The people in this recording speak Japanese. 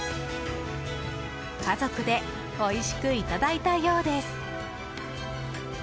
家族でおいしくいただいたようです。